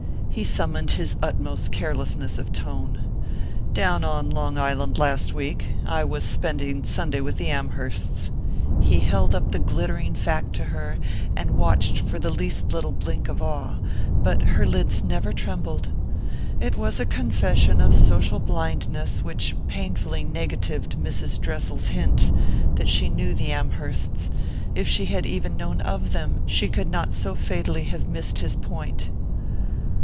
He summoned his utmost carelessness of tone. "Down on Long Island last week I was spending Sunday with the Amhersts." He held up the glittering fact to her, and watched for the least little blink of awe; but her lids never trembled. It was a confession of social blindness which painfully negatived Mrs. Dressel's hint that she knew the Amhersts; if she had even known of them, she could not so fatally have missed his point.